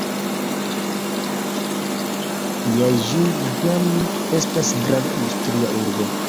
Jiaĝuguan estas grava industria urbo.